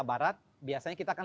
barat biasanya kita akan